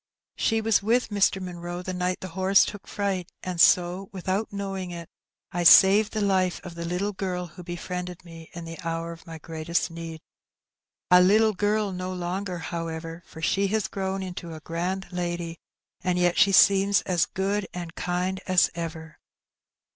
She was with Mr. Munroe the night the horse took fright, and so without knowing it I saved the life of the little girl who befriended me in the hour of my greatest need. A little girl no longer, however, for she has grown into a grand lady, and yet she seems as good and kind as ever."